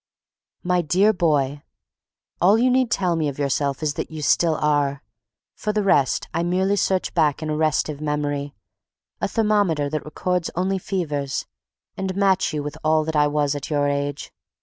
MY DEAR BOY: All you need tell me of yourself is that you still are; for the rest I merely search back in a restive memory, a thermometer that records only fevers, and match you with what I was at your age.